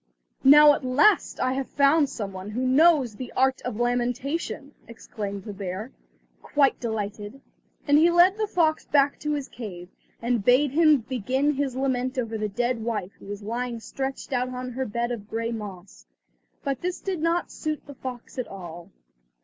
"Now at last I have found some one who knows the art of lamentation," exclaimed the bear, quite delighted; and he led the fox back to his cave, and bade him begin his lament over the dead wife who was lying stretched out on her bed of grey moss. But this did not suit the fox at all.